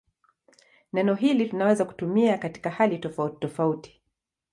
Neno hili tunaweza kutumia katika hali tofautitofauti.